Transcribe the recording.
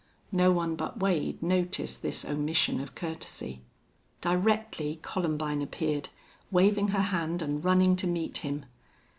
No one but Wade noticed this omission of courtesy. Directly, Columbine appeared, waving her hand, and running to meet him.